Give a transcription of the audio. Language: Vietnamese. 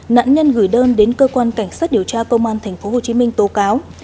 nạn nhân gửi đơn đến cơ quan cảnh sát điều tra công an tp hcm tố cáo